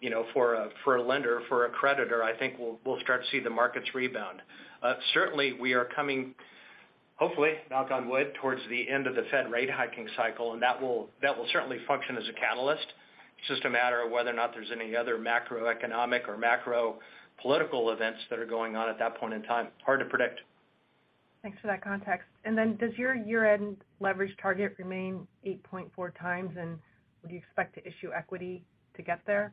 you know, for a lender, for a creditor, I think we'll start to see the markets rebound. Certainly, we are coming, hopefully, knock on wood, towards the end of the Fed rate hiking cycle. That will certainly function as a catalyst. It's just a matter of whether or not there's any other macroeconomic or macro political events that are going on at that point in time. Hard to predict. Thanks for that context. Does your year-end leverage target remain 8.4x, and would you expect to issue equity to get there?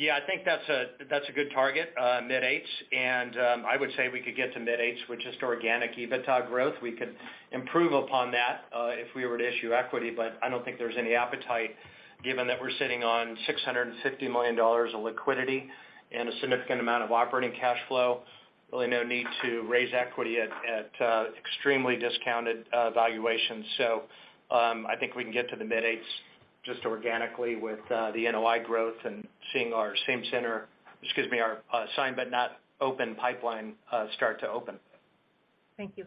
Yeah, I think that's a, that's a good target, mid eights. I would say we could get to mid eights with just organic EBITDA growth. We could improve upon that if we were to issue equity, but I don't think there's any appetite given that we're sitting on $650 million of liquidity and a significant amount of operating cash flow. Really no need to raise equity at extremely discounted valuations. I think we can get to the mid eights just organically with the NOI growth and seeing our signed but not open pipeline start to open. Thank you.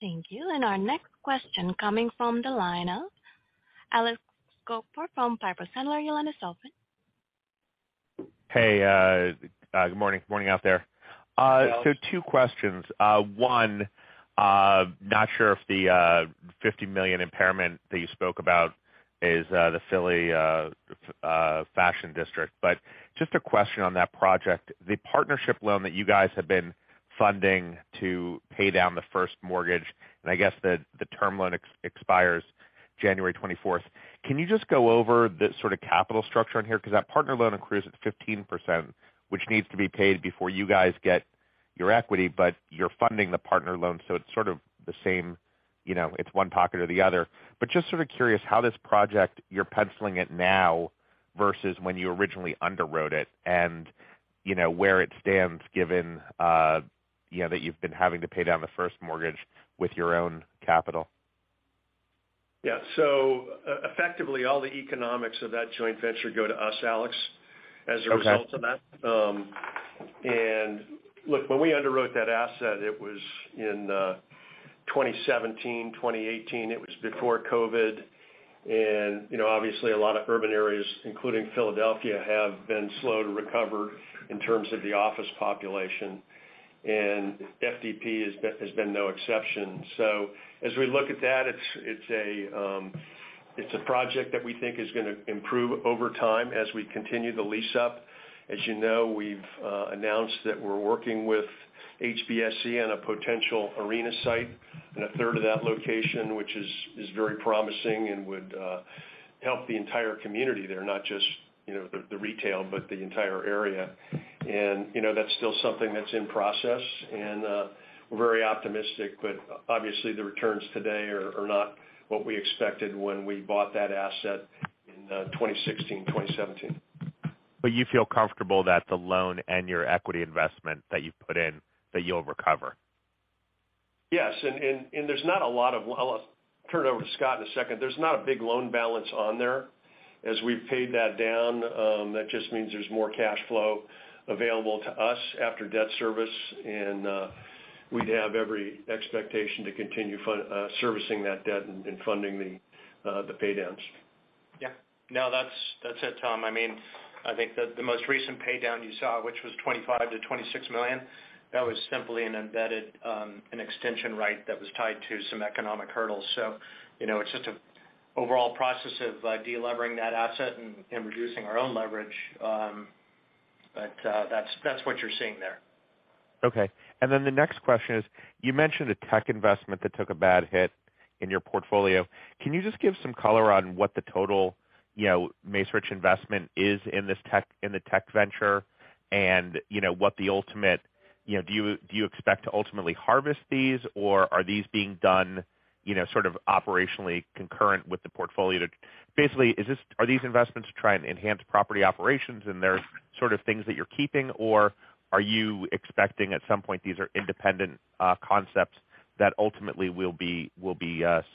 Thank you. Our next question coming from the line of Alexander Goldfarb from Piper Sandler. Your line is open. Hey, good morning. Good morning out there. Hello. Two questions. One, not sure if the $50 million impairment that you spoke about is the Philly Fashion District, but just a question on that project. The partnership loan that you guys have been funding to pay down the first mortgage. I guess the term loan expires January 24th. Can you just go over the sort of capital structure on here? That partner loan accrues at 15%, which needs to be paid before you guys get your equity, but you're funding the partner loan, so it's sort of the same, you know, it's one pocket or the other. Just sort of curious how this project, you're penciling it now versus when you originally underwrote it and, you know, where it stands given, you know, that you've been having to pay down the first mortgage with your own capital. Yeah. Effectively, all the economics of that joint venture go to us, Alex as a result of that. Look, when we underwrote that asset, it was in 2017, 2018. It was before COVID. Obviously, a lot of urban areas, including Philadelphia, have been slow to recover in terms of the office population, and FDP has been no exception. As we look at that, it's a project that we think is gonna improve over time as we continue to lease up. As you know, we've announced that we're working with HSBC on a potential arena site in a third of that location, which is very promising and would help the entire community there, not just, you know, the retail, but the entire area. That's still something that's in process, and we're very optimistic. Obviously, the returns today are not what we expected when we bought that asset in, 2016, 2017. You feel comfortable that the loan and your equity investment that you've put in, that you'll recover. Yes. there's not a lot of Well, I'll turn it over to Scott in a second. There's not a big loan balance on there. As we've paid that down, that just means there's more cash flow available to us after debt service, and We'd have every expectation to continue servicing that debt and funding the pay downs. Yeah. No, that's it, Tom. I mean, I think the most recent pay down you saw, which was $25 million-$26 million, that was simply an embedded, an extension right that was tied to some economic hurdles. You know, it's just a overall process of de-levering that asset and reducing our own leverage, but, that's what you're seeing there. Okay. The next question is, you mentioned a tech investment that took a bad hit in your portfolio. Can you just give some color on what the total, you know, Macerich investment is in this tech venture? And, you know, what the ultimate... Do you expect to ultimately harvest these? Or are these being done, you know, sort of operationally concurrent with the portfolio to... Basically, are these investments to try and enhance property operations, and they're sort of things that you're keeping? Or are you expecting at some point these are independent concepts that ultimately will be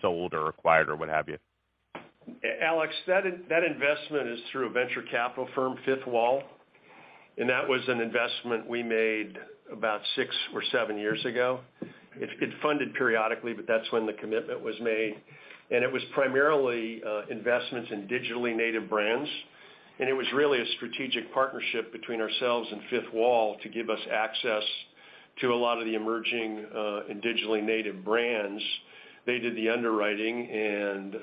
sold or acquired or what have you? Alex, that investment is through a venture capital firm, Fifth Wall. That was an investment we made about six or seven years ago. It, it funded periodically, but that's when the commitment was made. It was primarily investments in digitally native brands. It was really a strategic partnership between ourselves and Fifth Wall to give us access to a lot of the emerging and digitally native brands. They did the underwriting and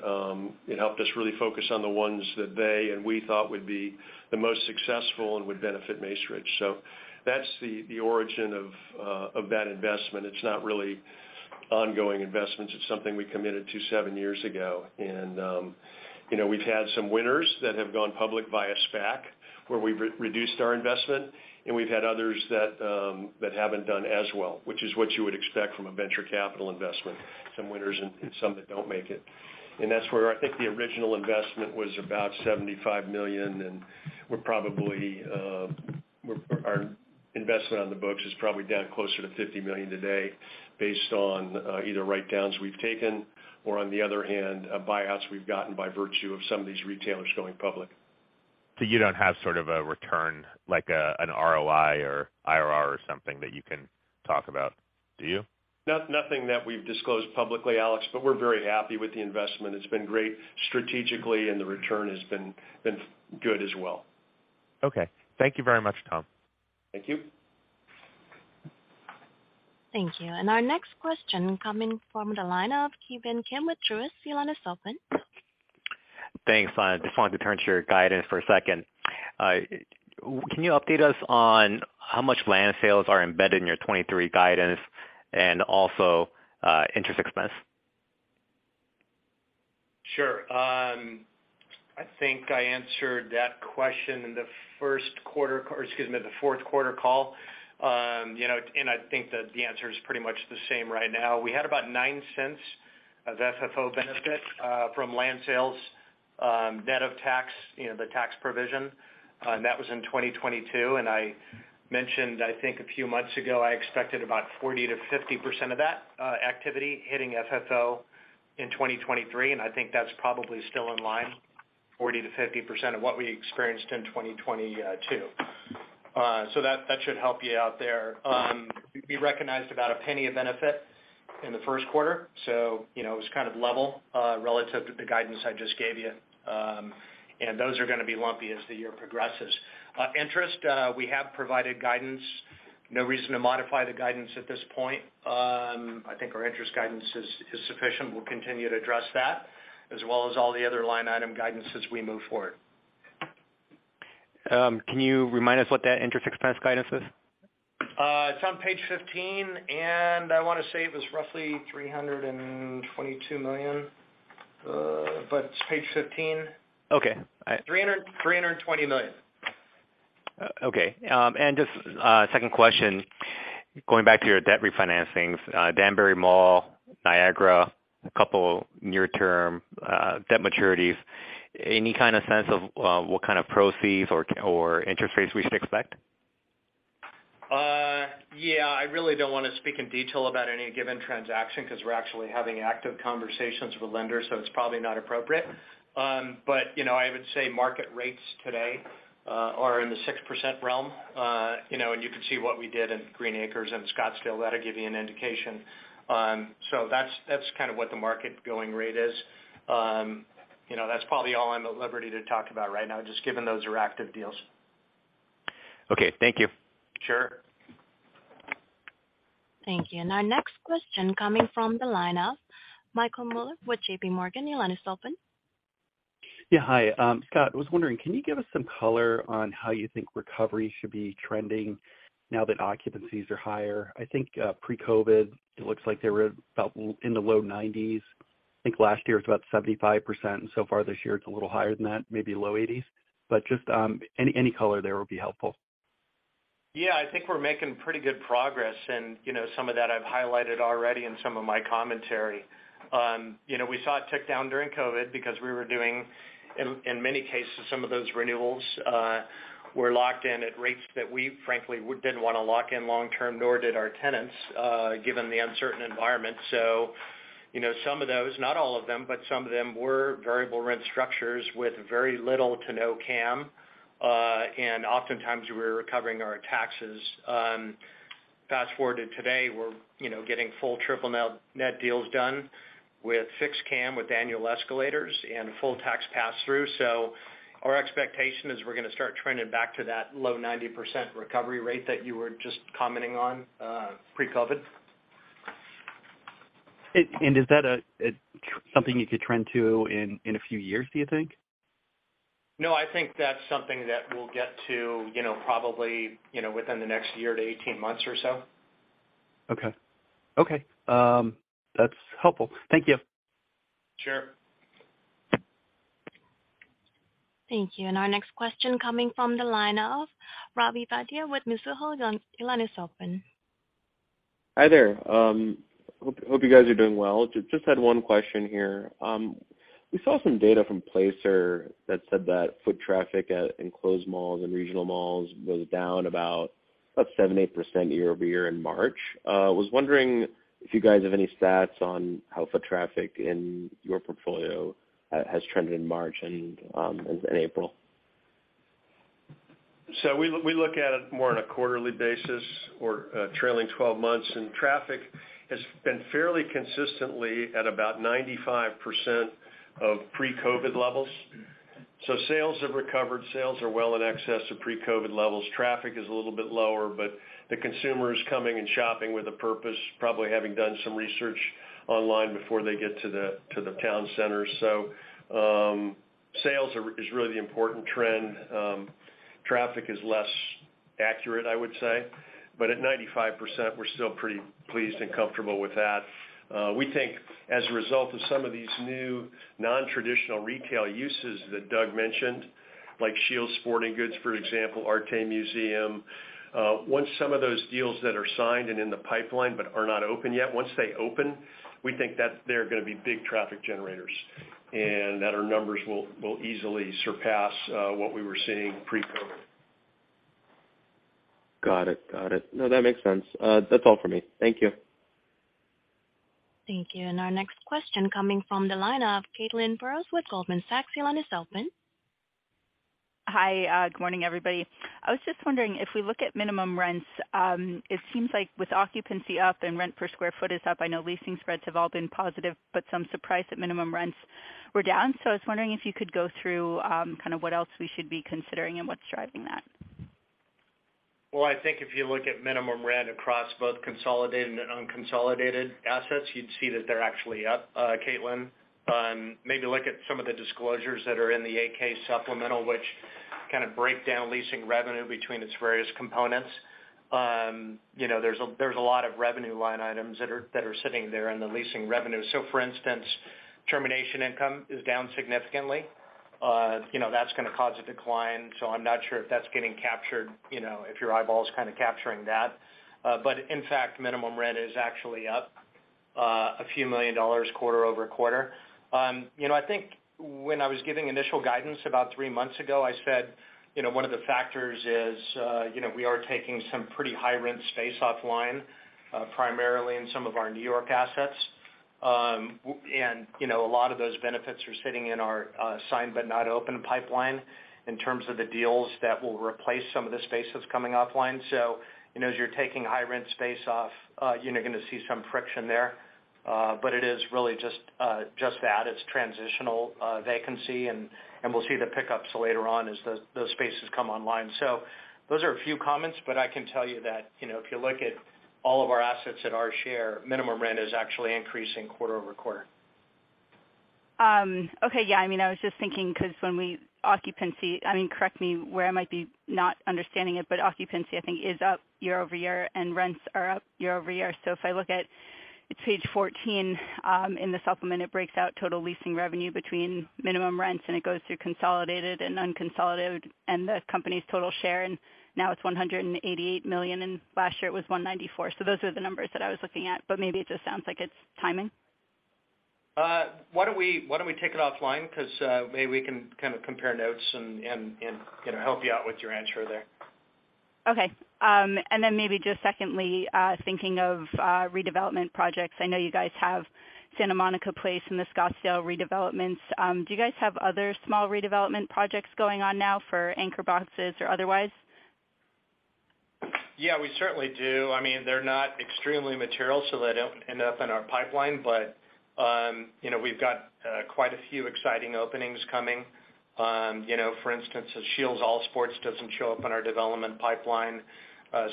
it helped us really focus on the ones that they and we thought would be the most successful and would benefit Macerich. That's the origin of that investment. It's not really ongoing investments. It's something we committed to seven years ago. You know, we've had some winners that have gone public via SPAC, where we re-reduced our investment, and we've had others that haven't done as well, which is what you would expect from a venture capital investment, some winners and some that don't make it. That's where I think the original investment was about $75 million, and we're probably, our investment on the books is probably down closer to $50 million today based on either write downs we've taken or on the other hand, buyouts we've gotten by virtue of some of these retailers going public. You don't have sort of a return like, an ROI or IRR or something that you can talk about, do you? Nothing that we've disclosed publicly, Alex, but we're very happy with the investment. It's been great strategically, and the return has been good as well. Okay. Thank you very much, Tom. Thank you. Thank you. Our next question coming from the line of Kevin Kim with Truist. Your line is open. Thanks. I just wanted to turn to your guidance for a second. Can you update us on how much land sales are embedded in your 23 guidance and also, interest expense? Sure. I think I answered that question in the Q1 call or excuse me, the fourth quarter call. You know, I think that the answer is pretty much the same right now. We had about $0.09 of FFO benefit from land sales, net of tax, you know, the tax provision, and that was in 2022. I mentioned, I think a few months ago, I expected about 40%-50% of that activity hitting FFO in 2023, and I think that's probably still in line, 40%-50% of what we experienced in 2022. That, that should help you out there. We recognized about $0.01 of benefit in the Q1, so you know, it was kind of level relative to the guidance I just gave you. Those are gonna be lumpy as the year progresses. Interest, we have provided guidance, no reason to modify the guidance at this point. I think our interest guidance is sufficient. We'll continue to address that as well as all the other line item guidance as we move forward. Can you remind us what that interest expense guidance is? It's on page 15, and I wanna say it was roughly $322 million. It's page 15. Okay. $320 million. Okay. Just a second question, going back to your debt refinancings, Danbury Mall, Niagara, a couple near term, debt maturities. Any kind of sense of what kind of proceeds or interest rates we should expect? Yeah. I really don't wanna speak in detail about any given transaction because we're actually having active conversations with lenders, so it's probably not appropriate. You know, I would say market rates today, are in the 6% realm. You know, and you can see what we did in Green Acres and Scottsdale. That'll give you an indication. That's, that's kind of what the market going rate is. You know, that's probably all I'm at liberty to talk about right now, just given those are active deals. Okay. Thank you. Sure. Thank you. Our next question coming from the line of Michael Mueller with J.P. Morgan. Your line is open. Yeah. Hi. Scott, I was wondering, can you give us some color on how you think recovery should be trending now that occupancies are higher? I think, pre-COVID, it looks like they were about in the low 90s. I think last year it was about 75%, and so far this year it's a little higher than that, maybe low 80s. Just, any color there would be helpful. Yeah. I think we're making pretty good progress, and you know, some of that I've highlighted already in some of my commentary. You know, we saw it tick down during COVID because we were doing, in many cases, some of those renewals, were locked in at rates that we frankly didn't wanna lock in long term, nor did our tenants, given the uncertain environment. You know, some of those, not all of them, but some of them were variable rent structures with very little to no CAM. And oftentimes we're recovering our taxes. Fast-forward to today, we're, you know, getting full triple net deals done with fixed CAM, with annual escalators and full tax pass-through. Our expectation is we're gonna start trending back to that low 90% recovery rate that you were just commenting on, pre-COVID. Is that something you could trend to in a few years, do you think? No, I think that's something that we'll get to, you know, probably, you know, within the next year to 18 months or so. Okay. That's helpful. Thank you. Sure. Thank you. Our next question coming from the line of Ravi Vaidya with Mizuho. Your line is open. Hi there. hope you guys are doing well. just had one question here. We saw some data from Placer.ai that said that foot traffic at enclosed malls and regional malls was down about 7%-8% year-over-year in March. Was wondering if you guys have any stats on how foot traffic in your portfolio has trended in March and April. We look at it more on a quarterly basis or trailing 12 months, and traffic has been fairly consistently at about 95% of pre-COVID levels. Sales have recovered. Sales are well in excess of pre-COVID levels. Traffic is a little bit lower, but the consumer is coming and shopping with a purpose, probably having done some research online before they get to the town center. Sales is really the important trend. Traffic is less accurate, I would say, but at 95%, we're still pretty pleased and comfortable with that. We think as a result of some of these new non-traditional retail uses that Doug mentioned, like SCHEELS Sporting Goods, for example, ARTE MUSEUM. Once some of those deals that are signed and in the pipeline but are not open yet, once they open, we think that they're gonna be big traffic generators and that our numbers will easily surpass what we were seeing pre-COVID. Got it. No, that makes sense. That's all for me. Thank you. Thank you. Our next question coming from the line of Caitlin Burrows with Goldman Sachs. Your line is open. Hi. Good morning, everybody. I was just wondering if we look at minimum rents, it seems like with occupancy up and rent per square foot is up, I know leasing spreads have all been positive, but some surprise that minimum rents were down. I was wondering if you could go through, kind of what else we should be considering and what's driving that. I think if you look at minimum rent across both consolidated and unconsolidated assets, you'd see that they're actually up, Caitlin. Maybe look at some of the disclosures that are in the 8-K supplement, which kind of break down leasing revenue between its various components. You know, there's a lot of revenue line items that are sitting there in the leasing revenue. For instance, termination income is down significantly. You know, that's gonna cause a decline. I'm not sure if that's getting captured, you know, if your eyeball is kind of capturing that. In fact, minimum rent is actually up a few million dollars quarter-over-quarter. You know, I think when I was giving initial guidance about three months ago, I said, you know, one of the factors is, you know, we are taking some pretty high rent space offline, primarily in some of our New York assets. You know, a lot of those benefits are sitting in our signed but not open pipeline in terms of the deals that will replace some of the space that's coming offline. You know, as you're taking high rent space off, you're gonna see some friction there. It is really just that. It's transitional vacancy, and we'll see the pickups later on as those spaces come online. Those are a few comments, but I can tell you that, you know, if you look at all of our assets at our share, minimum rent is actually increasing quarter-over-quarter. Okay. Yeah, I mean, I was just thinking 'cause when we Occupancy, I mean, correct me where I might be not understanding it, but occupancy, I think, is up year-over-year and rents are up year-over-year. If I look at page 14, in the supplement, it breaks out total leasing revenue between minimum rents and it goes through consolidated and unconsolidated and the company's total share, and now it's $188 million, and last year it was $194 million. Those are the numbers that I was looking at, but maybe it just sounds like it's timing. Why don't we take it offline 'cause maybe we can kind of compare notes and, you know, help you out with your answer there. Okay. Then maybe just secondly, thinking of redevelopment projects. I know you guys have Santa Monica Place and the Scottsdale redevelopments. Do you guys have other small redevelopment projects going on now for anchor boxes or otherwise? We certainly do. I mean, they're not extremely material, so they don't end up in our pipeline. We've got quite a few exciting openings coming. You know, for instance, a SCHEELS All Sports doesn't show up in our development pipeline.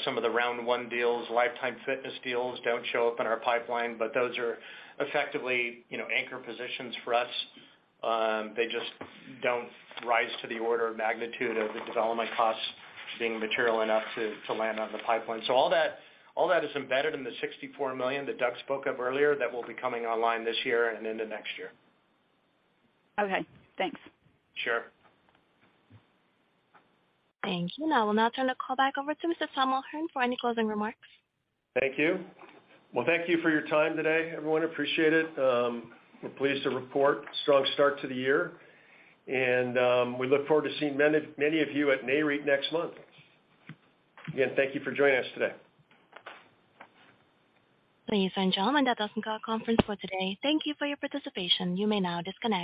Some of the Round1 deals, Life Time Fitness deals don't show up in our pipeline, but those are effectively, you know, anchor positions for us. They just don't rise to the order of magnitude of the development costs being material enough to land on the pipeline. All that, all that is embedded in the $64 million that Doug spoke of earlier that will be coming online this year and into next year. Okay, thanks. Sure. Thank you. I will now turn the call back over to Mr. Tom O'Hern for any closing remarks. Thank you. Well, thank you for your time today, everyone. Appreciate it. We're pleased to report strong start to the year. We look forward to seeing many of you at Nareit next month. Again, thank you for joining us today. Ladies and gentlemen, that does end our conference for today. Thank you for your participation. You may now disconnect.